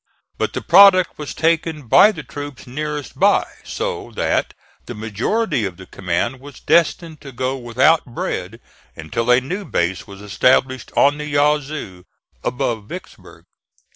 But the product was taken by the troops nearest by, so that the majority of the command was destined to go without bread until a new base was established on the Yazoo above Vicksburg.